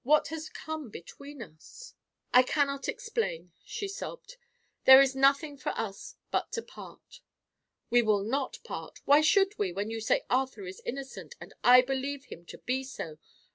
What has come between us?" "I cannot explain," she sobbed. "There is nothing for us but to part." "We will not part. Why should we, when you say Arthur is innocent, and I believe him to be so?